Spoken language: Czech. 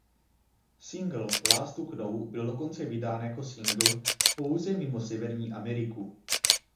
Singl "Last to know" byl dokonce vydán jako singl pouze mimo Severní Ameriku.